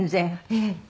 ええ。